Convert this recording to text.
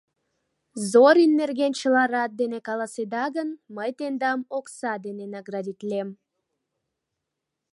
Зорин нерген чыла рад дене каласеда гын, мый тендам окса дене наградитлем.